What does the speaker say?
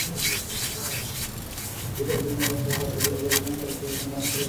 এছাড়া এটি মুলতান শহরের পার্শ্ববর্তী এলাকার বিমান পরিসেবা প্রদান করে থাকে।